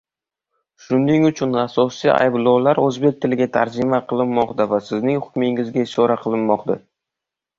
Shuning uchun asosiy ayblovlar o'zbek tiliga tarjima qilinmoqda va sizning hukmingizga ishora qilinmoqda: